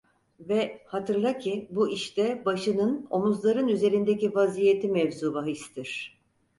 Ve hatırla ki bu işte başının omuzların üzerindeki vaziyeti mevzubahistir.